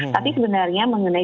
tapi sebenarnya mengenai